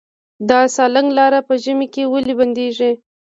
د سالنګ لاره په ژمي کې ولې بندیږي؟